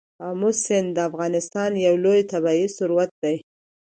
آمو سیند د افغانستان یو لوی طبعي ثروت دی.